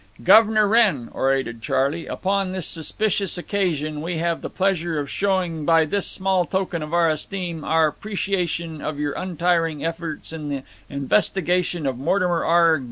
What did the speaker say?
"Gov'nor Wrenn," orated Charley, "upon this suspicious occasion we have the pleasure of showing by this small token of our esteem our 'preciation of your untiring efforts in the investigation of Mortimer R.